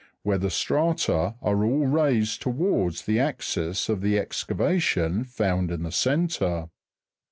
where the strata are all raised towards the axis of the excavation found in the centre.